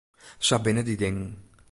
Sa binne dy dingen.